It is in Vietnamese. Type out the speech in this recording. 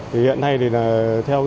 hiện nay thì theo